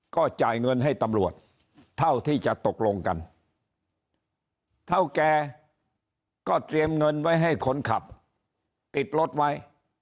ก็จ่ายเงินให้ตำรวจเท่าที่จะตกลงกันเท่าแกก็เตรียมเงินไว้ให้คนขับติดรถไว้